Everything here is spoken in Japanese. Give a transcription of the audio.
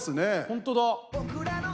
本当だ。